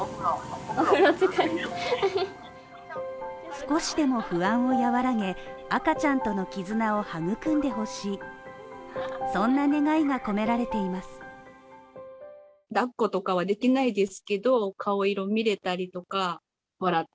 少しでも不安を和らげ、赤ちゃんとの絆を育んでほしいそんな願いが込められています。